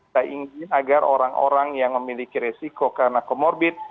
saya ingin agar orang orang yang memiliki resiko karena comorbid